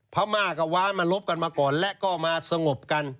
พม่ากับว้านมารบกันมาก่อนและก็มาสงบกัน